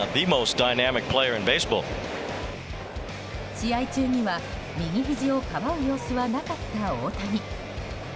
試合中には、右ひじをかばう様子はなかった大谷。